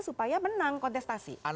supaya menang kontestasi